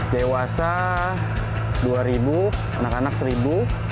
dewasa rp dua anak anak rp satu